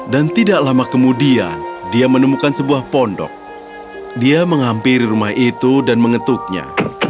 dan tidak lama kemudian dia menemukan sebuah pondok dia menghampiri rumah itu dan mengetuknya